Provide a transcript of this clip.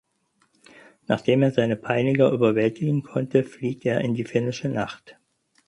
Nachdem er seine Peiniger überwältigen konnte flieht er in die finnische Nacht.